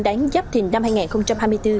đáng dấp thìn năm hai nghìn hai mươi bốn